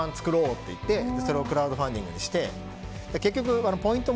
これをクラウドファンディングにしようっていって。